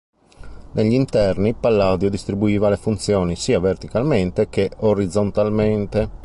Negli interni Palladio distribuiva le funzioni sia verticalmente che orizzontalmente.